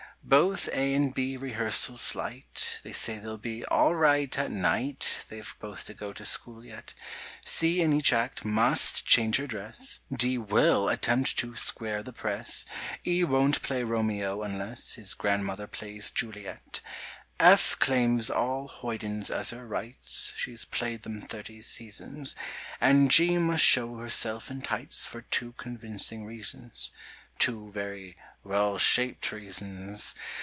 Both A and B rehearsal slight— They say they'll be "all right at night" (They've both to go to school yet); C in each act must change her dress, D will attempt to "square the press"; E won't play Romeo unless His grandmother plays Juliet; F claims all hoydens as her rights (She's played them thirty seasons); And G must show herself in tights For two convincing reasons— Two very well shaped reasons!